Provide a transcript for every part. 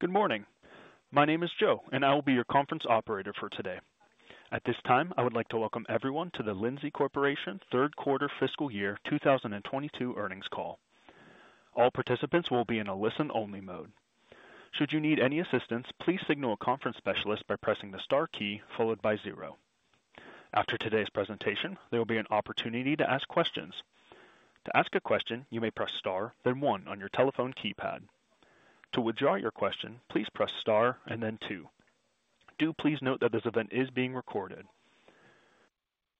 Good morning. My name is Joe, and I will be your conference operator for today. At this time, I would like to welcome everyone to The Lindsay Corporation Third Quarter Fiscal Year 2022 Earnings Call. All participants will be in a listen-only mode. Should you need any assistance, please signal a conference specialist by pressing the star key followed by zero. After today's presentation, there will be an opportunity to ask questions. To ask a question, you may press star, then one on your telephone keypad. To withdraw your question, please press star and then two. Do please note that this event is being recorded.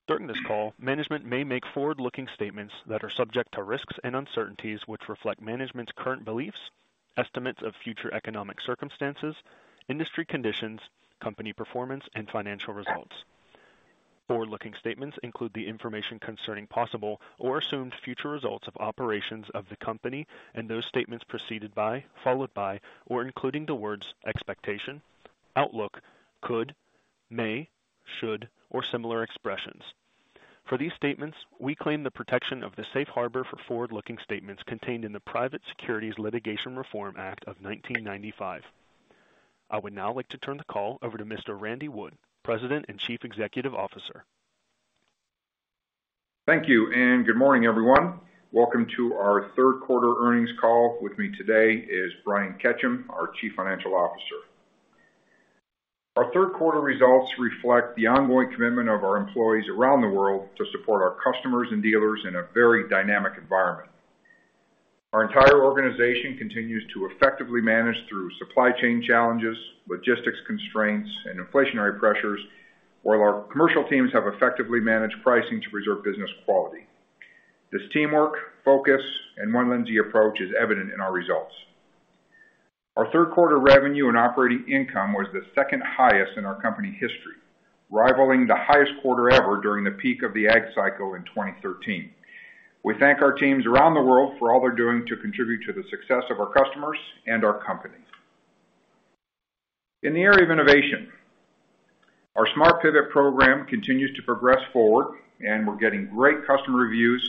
During this call, management may make forward-looking statements that are subject to risks and uncertainties, which reflect management's current beliefs, estimates of future economic circumstances, industry conditions, company performance, and financial results. Forward-looking statements include the information concerning possible or assumed future results of operations of the company and those statements preceded by, followed by, or including the words expectation, outlook, could, may, should, or similar expressions. For these statements, we claim the protection of the safe harbor for forward-looking statements contained in the Private Securities Litigation Reform Act of 1995. I would now like to turn the call over to Mr. Randy Wood, President and Chief Executive Officer. Thank you and good morning, everyone. Welcome to our third quarter earnings call. With me today is Brian Ketcham, our Chief Financial Officer. Our third quarter results reflect the ongoing commitment of our employees around the world to support our customers and dealers in a very dynamic environment. Our entire organization continues to effectively manage through supply chain challenges, logistics constraints, and inflationary pressures, while our commercial teams have effectively managed pricing to preserve business quality. This teamwork, focus, and one Lindsay approach is evident in our results. Our third quarter revenue and operating income was the second highest in our company history, rivaling the highest quarter ever during the peak of the ag cycle in 2013. We thank our teams around the world for all they're doing to contribute to the success of our customers and our company. In the area of innovation, our Smart Pivot program continues to progress forward, and we're getting great customer reviews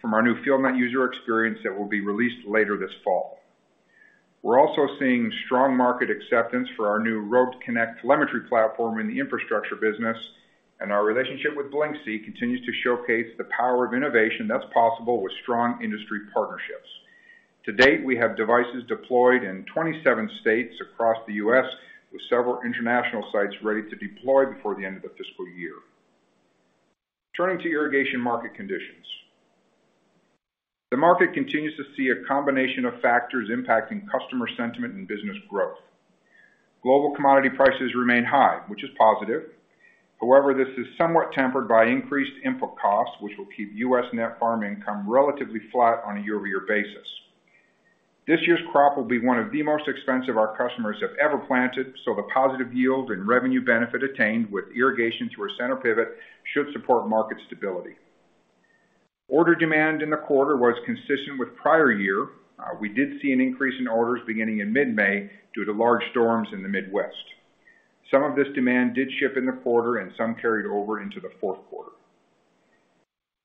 from our new FieldNET user experience that will be released later this fall. We're also seeing strong market acceptance for our new RoadConnect telemetry platform in the infrastructure business, and our relationship with Blyncsy continues to showcase the power of innovation that's possible with strong industry partnerships. To date, we have devices deployed in 27 states across the U.S. with several international sites ready to deploy before the end of the fiscal year. Turning to irrigation market conditions. The market continues to see a combination of factors impacting customer sentiment and business growth. Global commodity prices remain high, which is positive. However, this is somewhat tempered by increased input costs, which will keep U.S. net farm income relatively flat on a year-over-year basis. This year's crop will be one of the most expensive our customers have ever planted, so the positive yield and revenue benefit attained with irrigation through our center pivot should support market stability. Order demand in the quarter was consistent with prior year. We did see an increase in orders beginning in mid-May due to large storms in the Midwest. Some of this demand did ship in the quarter and some carried over into the fourth quarter.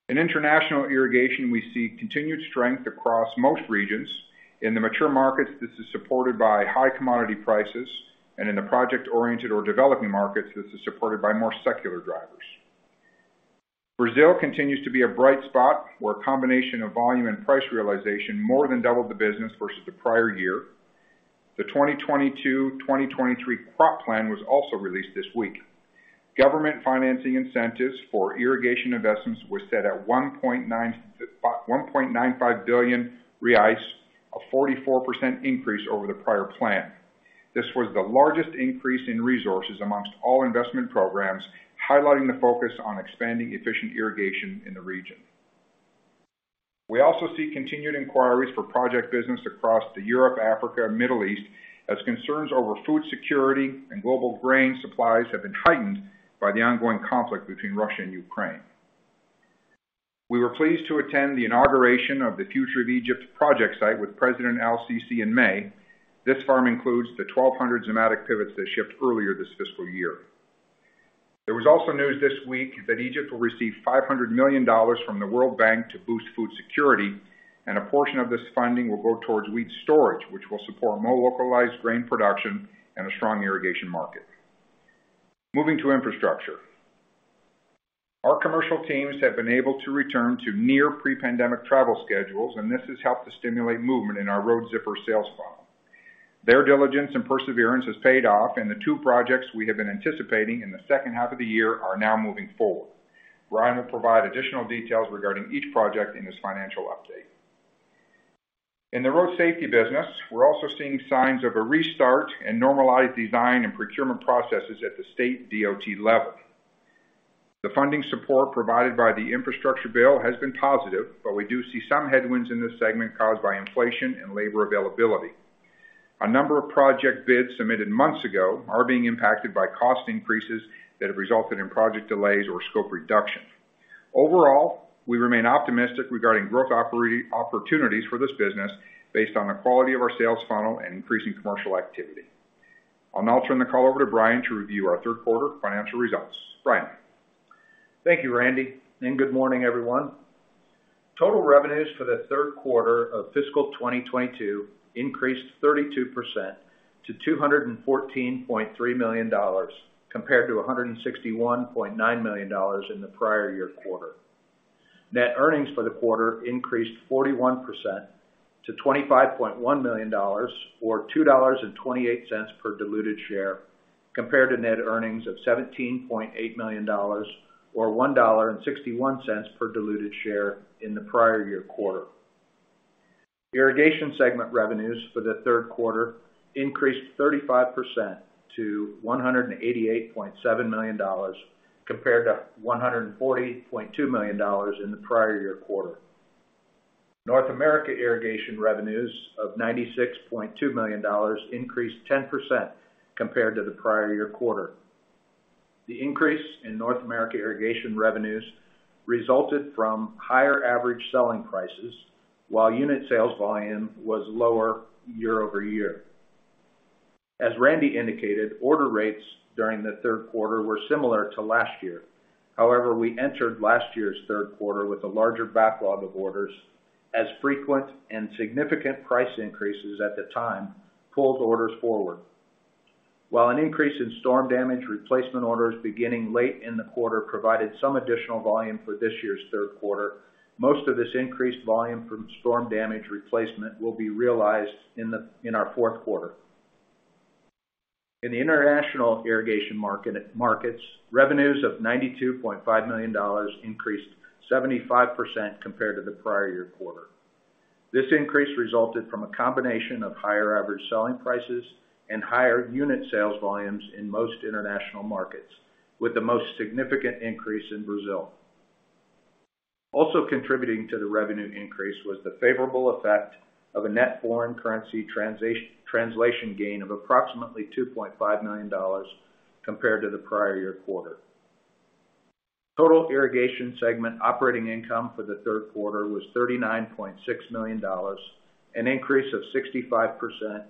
In international irrigation, we see continued strength across most regions. In the mature markets, this is supported by high commodity prices, and in the project-oriented or developing markets, this is supported by more secular drivers. Brazil continues to be a bright spot where a combination of volume and price realization more than doubled the business versus the prior year. The 2022/2023 crop plan was also released this week. Government financing incentives for irrigation investments were set at 1.95 billion reais, a 44% increase over the prior plan. This was the largest increase in resources amongst all investment programs, highlighting the focus on expanding efficient irrigation in the region. We also see continued inquiries for project business across Europe, Africa, Middle East, as concerns over food security and global grain supplies have been heightened by the ongoing conflict between Russia and Ukraine. We were pleased to attend the inauguration of the Future of Egypt project site with President Abdel Fattah el-Sisi in May. This farm includes the 1,200 Zimmatic pivots that shipped earlier this fiscal year. There was also news this week that Egypt will receive $500 million from the World Bank to boost food security, and a portion of this funding will go towards wheat storage, which will support more localized grain production and a strong irrigation market. Moving to infrastructure. Our commercial teams have been able to return to near pre-pandemic travel schedules, and this has helped to stimulate movement in our Road Zipper sales funnel. Their diligence and perseverance has paid off, and the two projects we have been anticipating in the second half of the year are now moving forward. Brian will provide additional details regarding each project in this financial update. In the road safety business, we're also seeing signs of a restart and normalized design and procurement processes at the state DOT level. The funding support provided by the infrastructure bill has been positive, but we do see some headwinds in this segment caused by inflation and labor availability. A number of project bids submitted months ago are being impacted by cost increases that have resulted in project delays or scope reduction. Overall, we remain optimistic regarding growth opportunities for this business based on the quality of our sales funnel and increasing commercial activity. I'll now turn the call over to Brian to review our third quarter financial results. Brian? Thank you, Randy, and good morning, everyone. Total revenues for the third quarter of fiscal 2022 increased 32% to $214.3 million compared to $161.9 million in the prior year quarter. Net earnings for the quarter increased 41% to $25.1 million, or $2.28 per diluted share, compared to net earnings of $17.8 million or $1.61 per diluted share in the prior year quarter. Irrigation segment revenues for the third quarter increased 35% to $188.7 million compared to $140.2 million in the prior year quarter. North America irrigation revenues of $96.2 million increased 10% compared to the prior year quarter. The increase in North America irrigation revenues resulted from higher average selling prices while unit sales volume was lower year-over-year. As Randy indicated, order rates during the third quarter were similar to last year. However, we entered last year's third quarter with a larger backlog of orders as frequent and significant price increases at the time pulled orders forward. While an increase in storm damage replacement orders beginning late in the quarter provided some additional volume for this year's third quarter, most of this increased volume from storm damage replacement will be realized in our fourth quarter. In the international irrigation markets, revenues of $92.5 million increased 75% compared to the prior year quarter. This increase resulted from a combination of higher average selling prices and higher unit sales volumes in most international markets, with the most significant increase in Brazil. Also contributing to the revenue increase was the favorable effect of a net foreign currency translation gain of approximately $2.5 million compared to the prior year quarter. Total irrigation segment operating income for the third quarter was $39.6 million, an increase of 65%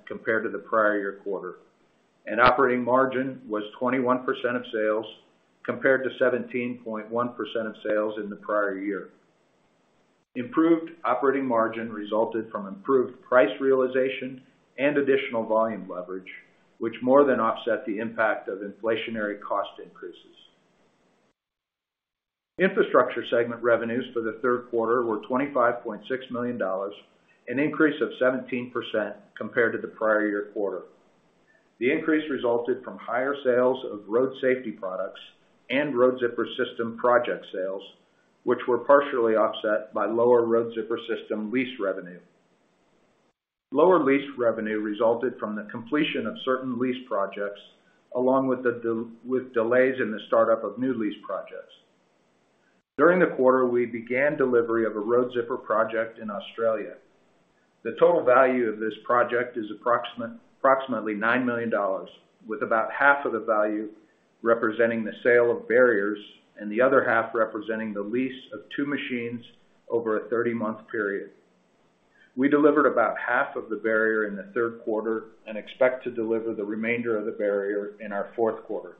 compared to the prior year quarter, and operating margin was 21% of sales compared to 17.1% of sales in the prior year. Improved operating margin resulted from improved price realization and additional volume leverage, which more than offset the impact of inflationary cost increases. Infrastructure segment revenues for the third quarter were $25.6 million, an increase of 17% compared to the prior year quarter. The increase resulted from higher sales of road safety products and Road Zipper System Project sales, which were partially offset by lower Road Zipper system lease revenue. Lower lease revenue resulted from the completion of certain lease projects, along with delays in the startup of new lease projects. During the quarter, we began delivery of a Road Zipper Project in Australia. The total value of this project is approximately $9 million, with about half of the value representing the sale of barriers and the other half representing the lease of 2 machines over a 30-month period. We delivered about half of the barrier in the third quarter and expect to deliver the remainder of the barrier in our fourth quarter.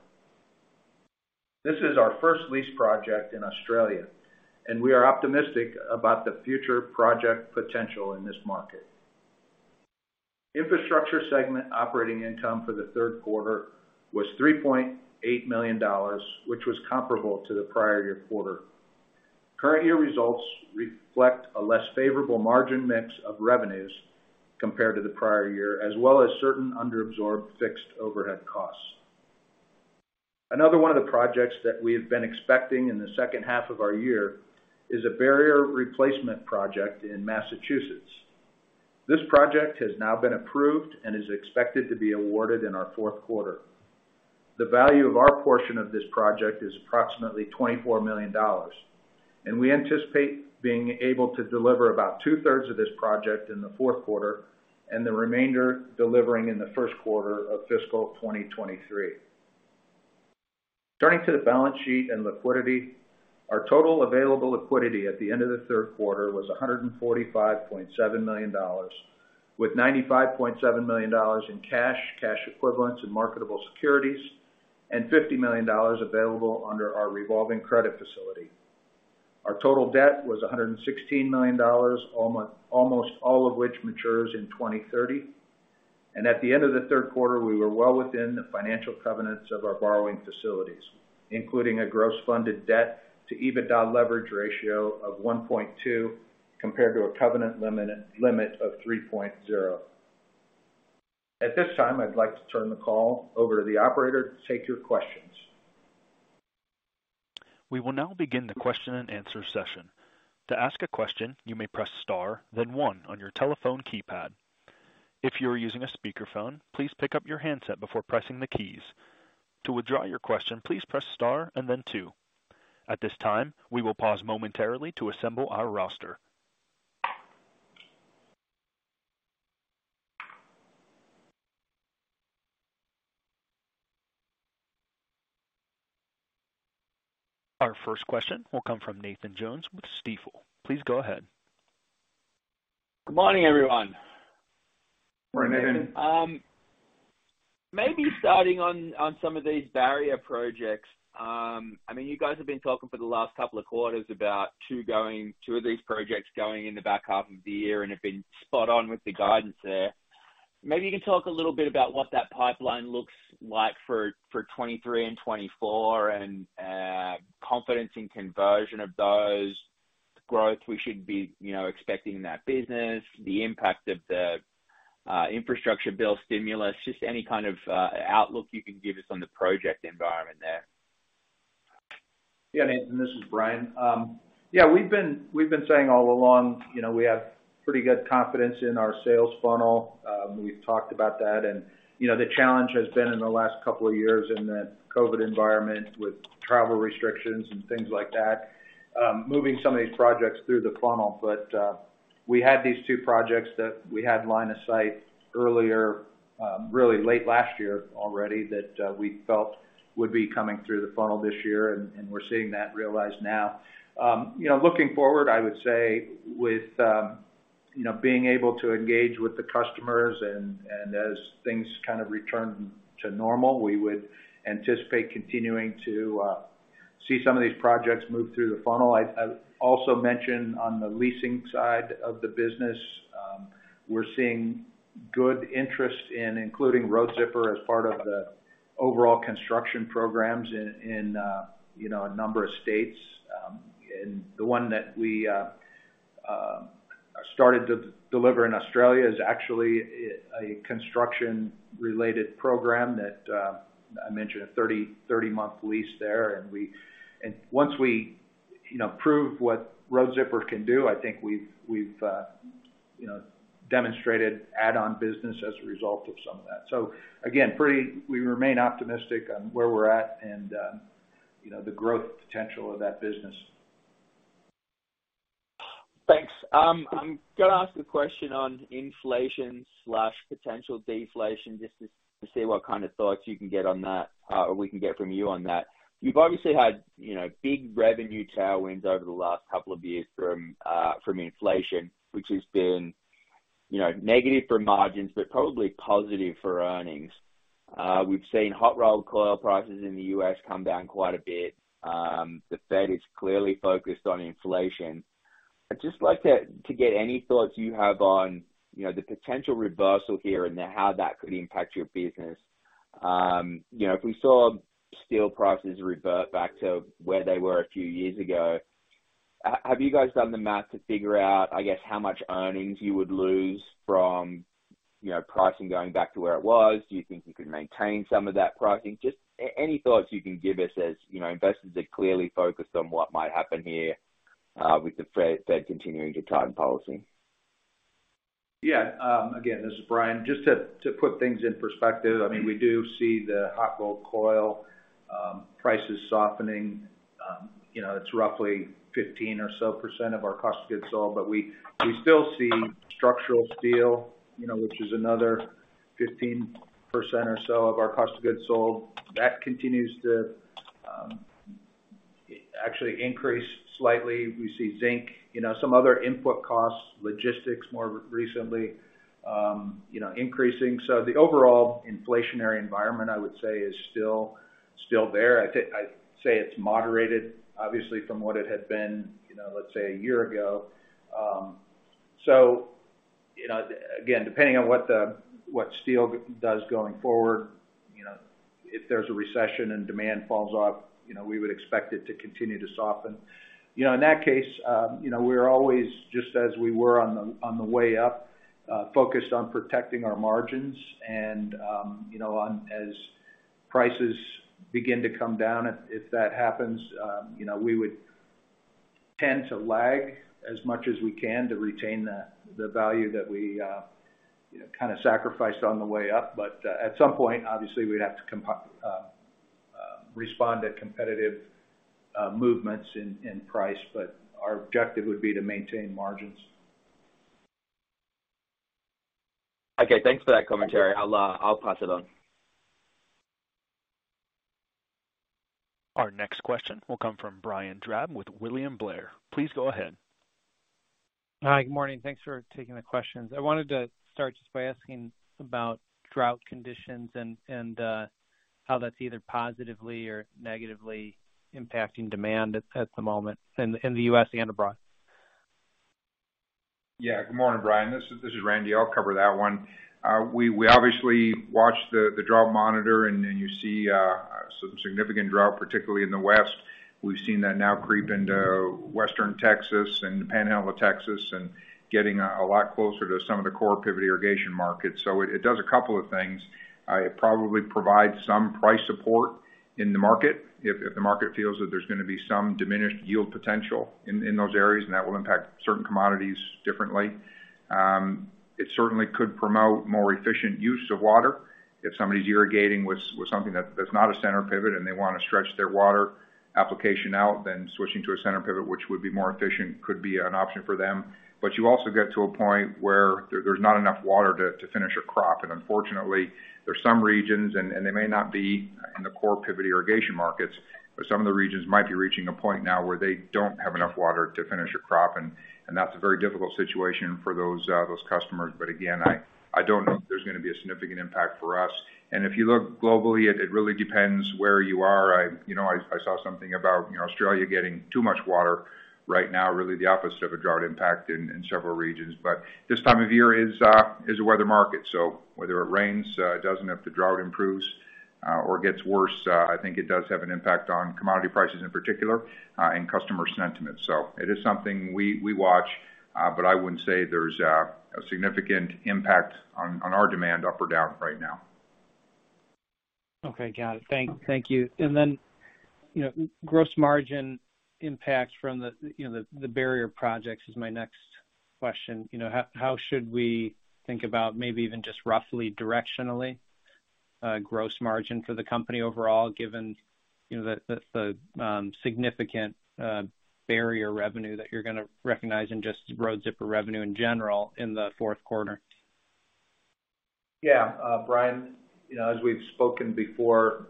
This is our first lease project in Australia, and we are optimistic about the future project potential in this market. Infrastructure segment operating income for the third quarter was $3.8 million, which was comparable to the prior year quarter. Current year results reflect a less favorable margin mix of revenues compared to the prior year, as well as certain under-absorbed fixed overhead costs. Another one of the projects that we have been expecting in the second half of our year is a barrier replacement project in Massachusetts. This project has now been approved and is expected to be awarded in our fourth quarter. The value of our portion of this project is approximately $24 million, and we anticipate being able to deliver about two-thirds of this project in the fourth quarter and the remainder delivering in the first quarter of fiscal 2023. Turning to the balance sheet and liquidity, our total available liquidity at the end of the third quarter was $145.7 million, with $95.7 million in cash equivalents, and marketable securities, and $50 million available under our revolving credit facility. Our total debt was $116 million, almost all of which matures in 2030. At the end of the third quarter, we were well within the financial covenants of our borrowing facilities, including a gross funded debt to EBITDA leverage ratio of 1.2 compared to a covenant limit of 3.0. At this time, I'd like to turn the call over to the operator to take your questions. We will now begin the question-and-answer session. To ask a question, you may press star then one on your telephone keypad. If you are using a speakerphone, please pick up your handset before pressing the keys. To withdraw your question, please press star and then two. At this time, we will pause momentarily to assemble our roster. Our first question will come from Nathan Jones with Stifel. Please go ahead. Good morning, everyone. Morning. Maybe starting on some of these barrier projects. I mean, you guys have been talking for the last couple of quarters about 2 of these projects going in the back half of the year and have been spot on with the guidance there. Maybe you can talk a little bit about what that pipeline looks like for 2023 and 2024 and confidence in conversion of those, growth we should be, you know, expecting in that business, the impact of the infrastructure bill stimulus, just any kind of outlook you can give us on the project environment there. Yeah, Nathan, this is Brian. Yeah, we've been saying all along, you know, we have pretty good confidence in our sales funnel. We've talked about that. You know, the challenge has been in the last couple of years in the COVID environment with travel restrictions and things like that, moving some of these projects through the funnel. We had these two projects that we had line of sight earlier, really late last year already that we felt would be coming through the funnel this year, and we're seeing that realized now. You know, looking forward, I would say with you know, being able to engage with the customers and as things kind of return to normal, we would anticipate continuing to see some of these projects move through the funnel. I'd also mention on the leasing side of the business, we're seeing good interest in including Road Zipper as part of the overall construction programs in you know, a number of states. The one that we started to deliver in Australia is actually a construction related program that I mentioned a 30-month lease there. Once we you know, prove what Road Zipper can do, I think we've demonstrated add-on business as a result of some of that. We remain optimistic on where we're at and you know, the growth potential of that business. Thanks. I'm gonna ask a question on inflation or potential deflation, just to see what kind of thoughts you can get on that, or we can get from you on that. You've obviously had, you know, big revenue tailwinds over the last couple of years from inflation, which has been, you know, negative for margins, but probably positive for earnings. We've seen hot rolled coil prices in the U.S. come down quite a bit. The Fed is clearly focused on inflation. I'd just like to get any thoughts you have on, you know, the potential reversal here and how that could impact your business. You know, if we saw steel prices revert back to where they were a few years ago, have you guys done the math to figure out, I guess, how much earnings you would lose from, you know, pricing going back to where it was? Do you think you could maintain some of that pricing? Just any thoughts you can give us as, you know, investors are clearly focused on what might happen here with the Fed continuing to tighten policy. Yeah. Again, this is Brian. Just to put things in perspective, I mean, we do see the hot rolled coil prices softening. You know, it's roughly 15% or so of our cost of goods sold, but we still see structural steel, you know, which is another 15% or so of our cost of goods sold. That continues to actually increase slightly. We see zinc, you know, some other input costs, logistics more recently, you know, increasing. The overall inflationary environment, I would say is still there. I'd say it's moderated, obviously, from what it had been, you know, let's say a year ago. You know, again, depending on what steel does going forward, you know, if there's a recession and demand falls off, you know, we would expect it to continue to soften. You know, in that case, you know, we're always, just as we were on the way up, focused on protecting our margins. You know, as prices begin to come down, if that happens, you know, we would tend to lag as much as we can to retain the value that we, you know, kinda sacrificed on the way up. At some point, obviously, we'd have to respond to competitive movements in price. Our objective would be to maintain margins. Okay. Thanks for that commentary. I'll pass it on. Our next question will come from Brian Drab with William Blair. Please go ahead. Hi. Good morning. Thanks for taking the questions. I wanted to start just by asking about drought conditions and how that's either positively or negatively impacting demand at the moment in the U.S. and abroad? Yeah. Good morning, Brian. This is Randy. I'll cover that one. We obviously watch the drought monitor and then you see some significant drought, particularly in the West. We've seen that now creep into Western Texas and the Panhandle of Texas and getting a lot closer to some of the core pivot irrigation markets. It does a couple of things. It probably provides some price support in the market if the market feels that there's gonna be some diminished yield potential in those areas, and that will impact certain commodities differently. It certainly could promote more efficient use of water. If somebody's irrigating with something that's not a center pivot and they wanna stretch their water application out, then switching to a center pivot, which would be more efficient, could be an option for them. You also get to a point where there's not enough water to finish a crop. Unfortunately, there are some regions, and they may not be in the core pivot irrigation markets, but some of the regions might be reaching a point now where they don't have enough water to finish a crop. That's a very difficult situation for those customers. Again, I don't know if there's gonna be a significant impact for us. If you look globally, it really depends where you are. You know, I saw something about, you know, Australia getting too much water right now, really the opposite of a drought impact in several regions. This time of year is a weather market. Whether it rains, it doesn't, if the drought improves or gets worse, I think it does have an impact on commodity prices in particular, and customer sentiment. It is something we watch, but I wouldn't say there's a significant impact on our demand up or down right now. Okay. Got it. Thank you. Gross margin impact from the barrier projects is my next question. How should we think about maybe even just roughly directionally gross margin for the company overall, given the significant barrier revenue that you're gonna recognize and just Road Zipper revenue in general in the fourth quarter? Yeah. Brian, you know, as we've spoken before,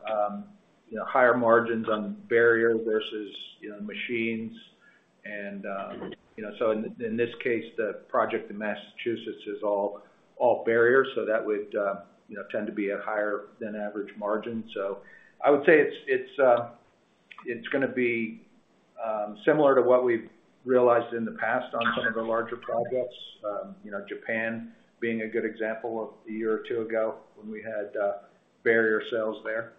you know, higher margins on barriers versus, you know, machines and, you know. In this case, the project in Massachusetts is all barriers, so that would, you know, tend to be at higher than average margin. I would say it's gonna be similar to what we've realized in the past on some of the larger projects, you know, Japan being a good example of a year or two ago when we had barrier sales there.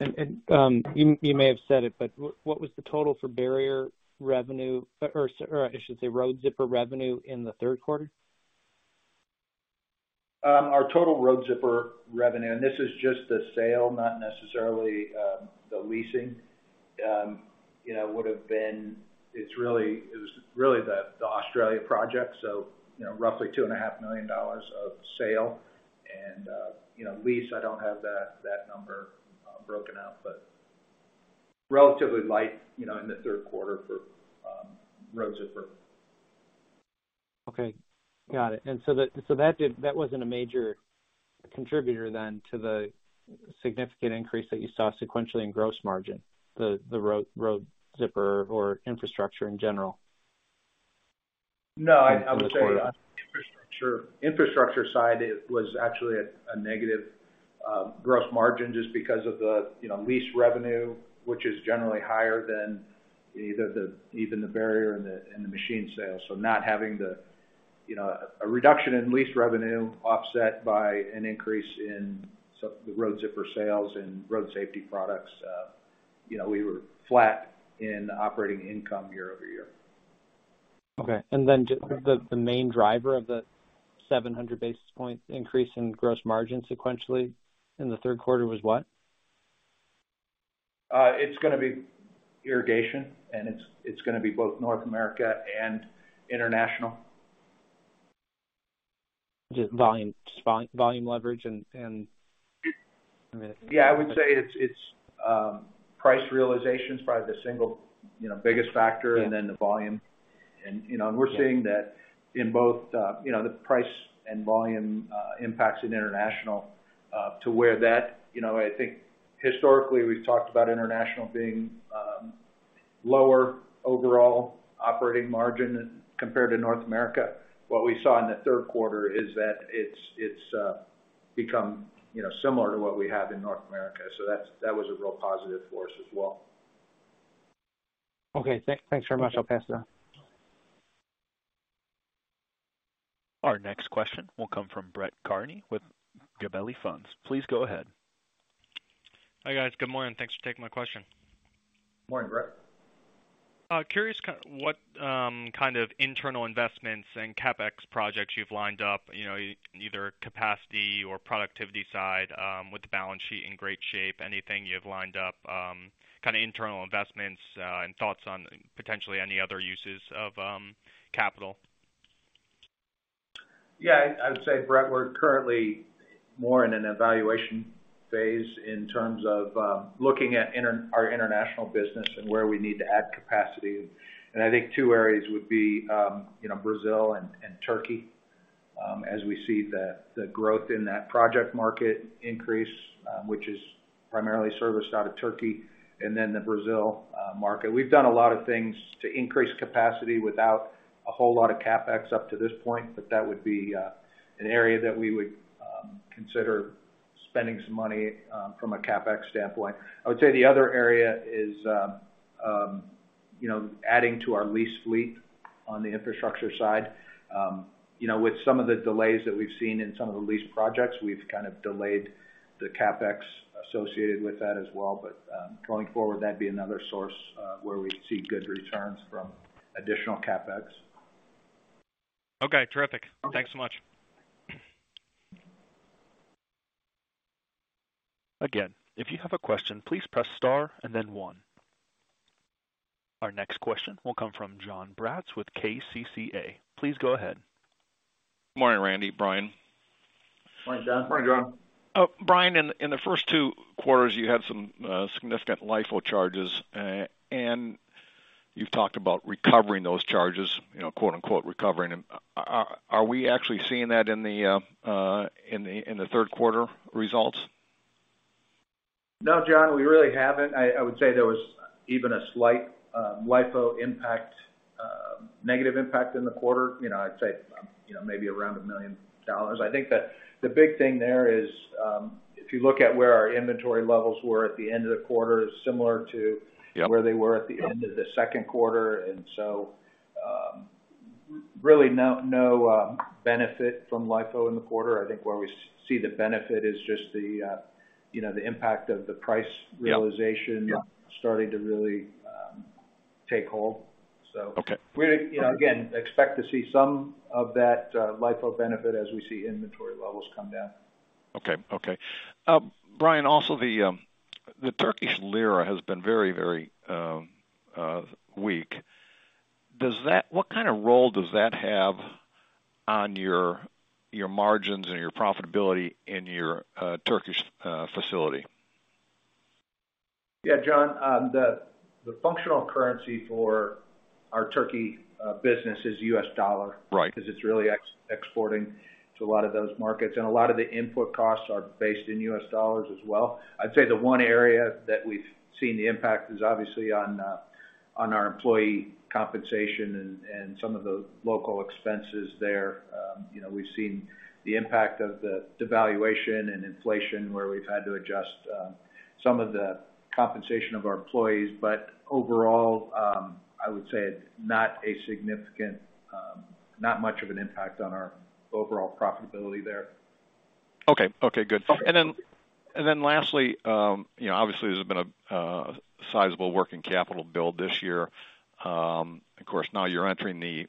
You may have said it, but what was the total for barrier revenue or, I should say, Road Zipper revenue in the third quarter? Our total Road Zipper revenue, and this is just the sale, not necessarily the leasing, you know, would have been. It's really, it was really the Australia project, so, you know, roughly $2.5 million of sale. You know, lease, I don't have that number broken out, but relatively light, you know, in the third quarter for Road Zipper. Okay. Got it. That wasn't a major contributor then to the significant increase that you saw sequentially in gross margin, the Road Zipper or infrastructure in general? No, I would say. In the quarter. Infrastructure side, it was actually a negative gross margin just because of the, you know, lease revenue, which is generally higher than even the barrier and the machine sales. Not having, you know, a reduction in lease revenue offset by an increase in some of the Road Zipper sales and road safety products, you know, we were flat in operating income year-over-year. Okay. Just the main driver of the 700 basis points increase in gross margin sequentially in the third quarter was what? It's gonna be irrigation, and it's gonna be both North America and international. Just volume leverage and, I mean. Yeah. I would say it's price realization is probably the single, you know, biggest factor. Yeah the volume. You know, we're seeing that in both the you know the price and volume impacts in international to where that. You know, I think historically we've talked about international being lower overall operating margin compared to North America. What we saw in the third quarter is that it's become you know similar to what we have in North America. That was a real positive for us as well. Okay. Thanks very much. I'll pass it on. Our next question will come from Brett Kearney with Gabelli Funds. Please go ahead. Hi, guys. Good morning. Thanks for taking my question. Morning, Brett. What kind of internal investments and CapEx projects you've lined up, you know, either capacity or productivity side, with the balance sheet in great shape, anything you have lined up, kind of internal investments, and thoughts on potentially any other uses of capital? Yeah. I would say, Brett, we're currently more in an evaluation phase in terms of looking at our international business and where we need to add capacity. I think two areas would be, you know, Brazil and Turkey, as we see the growth in that project market increase, which is primarily serviced out of Turkey and then the Brazil market. We've done a lot of things to increase capacity without a whole lot of CapEx up to this point, but that would be an area that we would consider spending some money from a CapEx standpoint. I would say the other area is, you know, adding to our lease fleet on the infrastructure side. You know, with some of the delays that we've seen in some of the lease projects, we've kind of delayed the CapEx associated with that as well. Going forward, that'd be another source where we see good returns from additional CapEx. Okay. Terrific. Okay. Thanks so much. Again, if you have a question, please press star and then one. Our next question will come from Jonathan Braatz with KCCA. Please go ahead. Good morning, Randy, Brian. Morning, Jonathan Braatz. Morning, Jonathan Braatz. Brian, in the first two quarters, you had some significant LIFO charges, and you've talked about recovering those charges, you know, quote-unquote, recovering them. Are we actually seeing that in the third quarter results? No, John, we really haven't. I would say there was even a slight LIFO impact, negative impact in the quarter. You know, I'd say, you know, maybe around $1 million. I think the big thing there is, if you look at where our inventory levels were at the end of the quarter, similar to. Yeah where they were at the end of the second quarter. Really no benefit from LIFO in the quarter. I think where we see the benefit is just the, you know, the impact of the price realization. Yeah. Starting to really take hold. Okay. We, you know, again, expect to see some of that, LIFO benefit as we see inventory levels come down. Okay. Brian, also the Turkish lira has been very weak. What kind of role does that have on your margins and your profitability in your Turkish facility? Yeah. John, the functional currency for our Turkey business is U.S. dollar- Right. Because it's really exporting to a lot of those markets, and a lot of the input costs are based in US dollars as well. I'd say the one area that we've seen the impact is obviously on our employee compensation and some of the local expenses there. You know, we've seen the impact of the devaluation and inflation, where we've had to adjust some of the compensation of our employees. Overall, I would say not a significant, not much of an impact on our overall profitability there. Okay. Okay, good. Lastly, you know, obviously there's been a sizable working capital build this year. Of course, now you're entering the,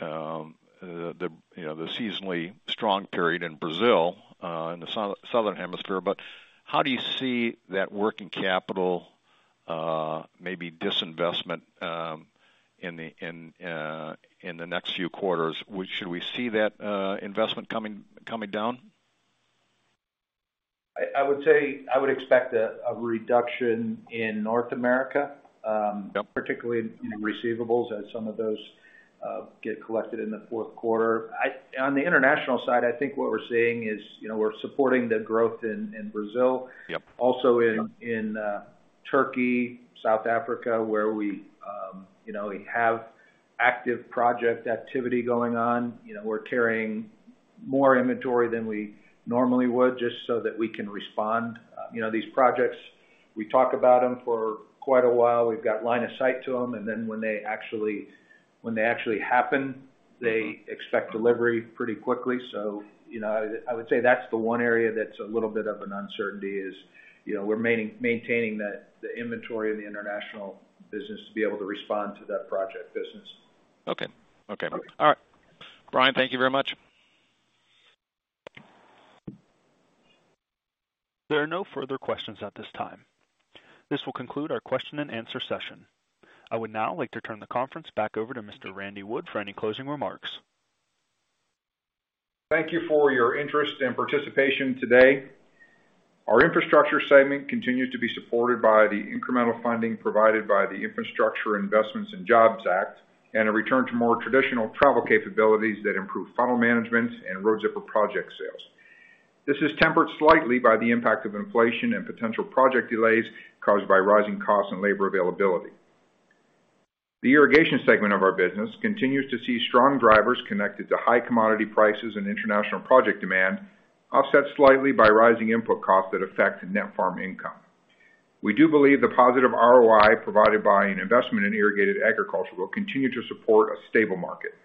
you know, the seasonally strong period in Brazil, in the southern hemisphere. How do you see that working capital, maybe disinvestment, in the next few quarters? Should we see that investment coming down? I would say I would expect a reduction in North America. Yep. particularly in receivables, as some of those get collected in the fourth quarter. On the international side, I think what we're seeing is, you know, we're supporting the growth in Brazil. Yep. Also in Turkey, South Africa, where we you know we have active project activity going on. You know, we're carrying more inventory than we normally would just so that we can respond. You know, these projects, we talk about them for quite a while. We've got line of sight to them, and then when they actually happen, they expect delivery pretty quickly. You know, I would say that's the one area that's a little bit of an uncertainty is, you know, we're maintaining the inventory in the international business to be able to respond to that project business. Okay. All right. Brian, thank you very much. There are no further questions at this time. This will conclude our question and answer session. I would now like to turn the conference back over to Mr. Randy Wood for any closing remarks. Thank you for your interest and participation today. Our infrastructure segment continues to be supported by the incremental funding provided by the Infrastructure Investment and Jobs Act, and a return to more traditional travel capabilities that improve funnel management and Road Zipper Project sales. This is tempered slightly by the impact of inflation and potential project delays caused by rising costs and labor availability. The irrigation segment of our business continues to see strong drivers connected to high commodity prices and international project demand, offset slightly by rising input costs that affect net farm income. We do believe the positive ROI provided by an investment in irrigated agriculture will continue to support a stable market.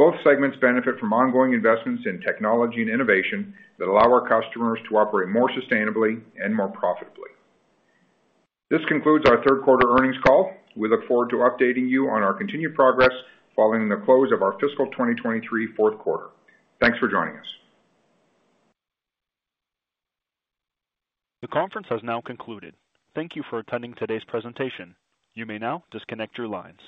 Both segments benefit from ongoing investments in technology and innovation that allow our customers to operate more sustainably and more profitably. This concludes our third quarter earnings call. We look forward to updating you on our continued progress following the close of our fiscal 2023 fourth quarter. Thanks for joining us. The conference has now concluded. Thank you for attending today's presentation. You may now disconnect your lines.